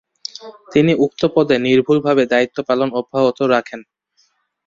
তিনি উক্ত পদে নির্ভুলভাবে দায়িত্ব পালন অব্যাহত রাখেন।